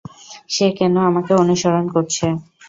সে কেন আমাকে অনুসরণ করছে?